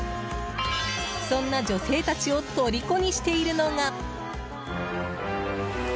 そんな女性たちをとりこにしているのが。